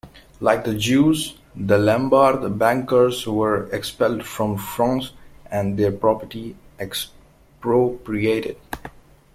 Like the Jews, the Lombard bankers were expelled from France and their property expropriated.